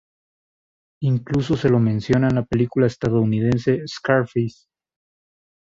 Incluso se lo menciona en la película estadounidense "Scarface".